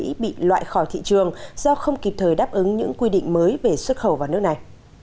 doanh nghiệp việt nam đã bị loại khỏi thị trường do không kịp thời đáp ứng những quy định mới về xuất khẩu vào nước này